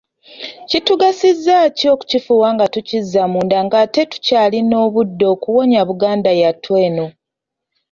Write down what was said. Kiritugasaaki okukifuuwa nga tukizza munda ng’ate tukyalina obudde okuwonya Buganda yattu eno?